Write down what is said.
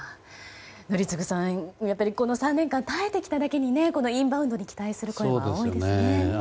宜嗣さん、この３年間耐えてきただけにこのインバウンドに期待する声が多いですよね。